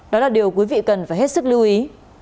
đó là điều quý vị cần phải hết sức lưu ý